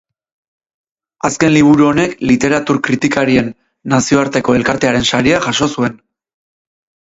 Azken liburu honek Literatur Kritikarien Nazioarteko Elkartearen saria jaso zuen.